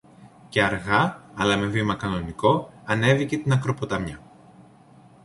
και αργά, αλλά με βήμα κανονικό, ανέβηκε την ακροποταμιά